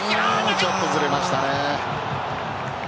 ちょっとずれましたね。